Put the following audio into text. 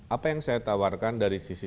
apa yang saya tawarkan dari sisi